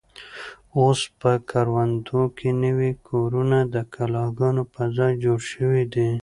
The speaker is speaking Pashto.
اوس په کروندو کې نوي کورونه د کلاګانو په ځای جوړ شوي دي.